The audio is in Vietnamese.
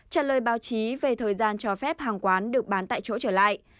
trả lời báo chí về thời gian cho phép hàng quán được bán tại chỗ trở lại